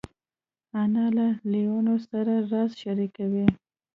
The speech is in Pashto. انا له لوڼو سره راز شریکوي